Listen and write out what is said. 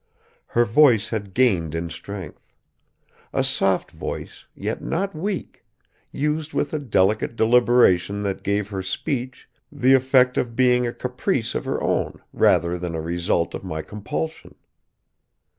Her voice had gained in strength; a soft voice, yet not weak, used with a delicate deliberation that gave her speech the effect of being a caprice of her own rather than a result of my compulsion.